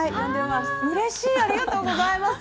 うれしいありがとうございます。